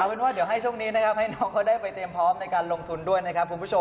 เอาเป็นว่าเดี๋ยวให้ช่วงนี้ให้น้องก็ได้ไปเตรียมพร้อมการลงทุนด้วยครับ